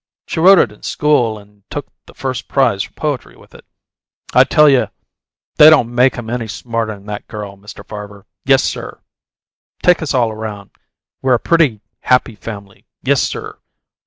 She wrote it in school and took the first prize for poetry with it. I tell you they don't make 'em any smarter'n that girl, Mr. Farver. Yes, sir; take us all round, we're a pretty happy family; yes, sir.